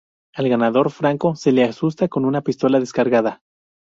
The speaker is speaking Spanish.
Al "ganador", Franco, se le asusta con una pistola descargada.